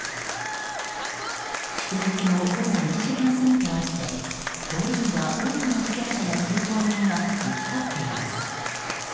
祝日の午後１時半過ぎとあって通りには多くの自転車や通行人が行き交っています。